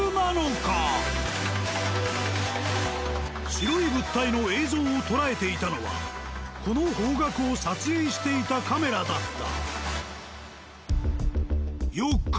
白い物体の映像を捉えていたのはこの方角を撮影していたカメラだった。